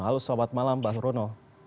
halo selamat malam mbah rono